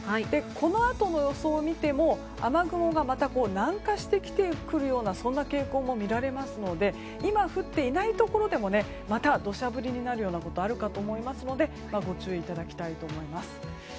このあとの予想を見ても雨雲がまた南下してくるような傾向も見られますので今降っていないところでもまた土砂降りになるようなことがあるかと思いますのでご注意いただきたいと思います。